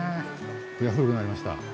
古くなりました。